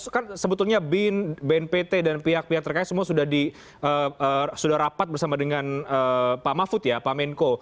kan sebetulnya bin bnpt dan pihak pihak terkait semua sudah rapat bersama dengan pak mahfud ya pak menko